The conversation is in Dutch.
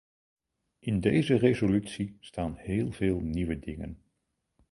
In deze resolutie staan heel veel nieuwe dingen.